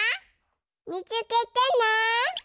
みつけてね。